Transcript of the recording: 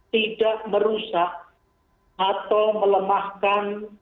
tidak merusak atau melemahkan